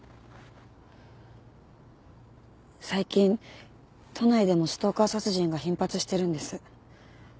最近都内でもストーカー殺人が頻発してるんです。